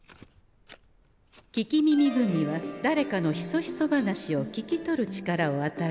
「聞き耳グミ」はだれかのひそひそ話を聞き取る力をあたえる駄菓子。